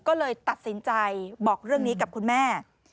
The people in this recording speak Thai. ก็เลยตัดสินใจบอกเรื่องนี้กับคุณแม่